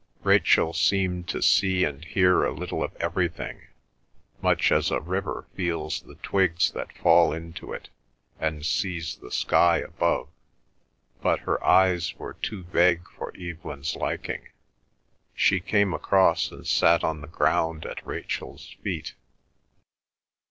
Rachel seemed to see and hear a little of everything, much as a river feels the twigs that fall into it and sees the sky above, but her eyes were too vague for Evelyn's liking. She came across, and sat on the ground at Rachel's feet.